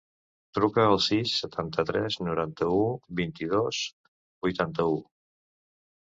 Truca al sis, setanta-tres, noranta-u, vint-i-dos, vuitanta-u.